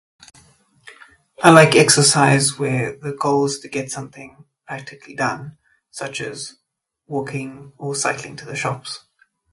I like exercise where the goal's to get something practically done, such as walking or cycling to the shops.